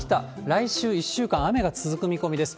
来週１週間、雨が続く見込みです。